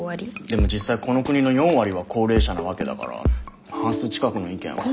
でも実際この国の４割は高齢者なわけだから半数近くの意見は。